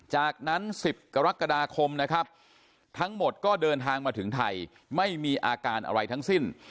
จากนั้น๑๐กรกฎาคมนะครับทั้งหมดก็เดินทางมาถึงไทยไม่มีอาการอะไรทั้งสิ้น